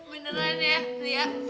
beneran ya lia